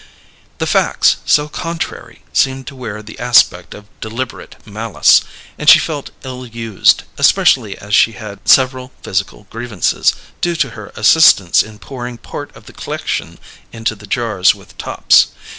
The facts, so contrary, seemed to wear the aspect of deliberate malice, and she felt ill used, especially as she had several physical grievances, due to her assistance in pouring part of the c'lection into the jars with tops.